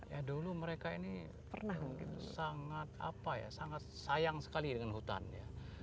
ya dulu mereka ini pernah sangat apa ya sangat sayang sekali dengan hutan ya